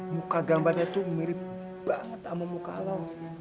muka gambarnya tuh mirip banget sama muka lo